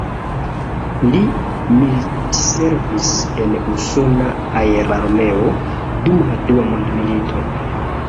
Li militservis en usona aerarmeo dum la Dua Mondmilito.